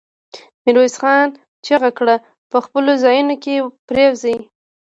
ميرويس خان چيغه کړه! په خپلو ځايونو کې پرېوځي.